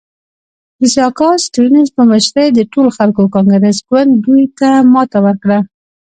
د سیاکا سټیونز په مشرۍ د ټولو خلکو کانګرس ګوند دوی ته ماته ورکړه.